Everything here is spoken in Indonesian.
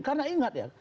karena ingat ya